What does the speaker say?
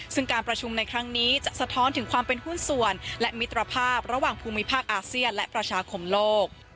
ซึ่งการประชุมในครั้งนี้จะสะท้อนถึงความเป็นหุ้นส่วนและมิตรภาพระหว่างภูมิภาคอาเซียนและประชาคมโลก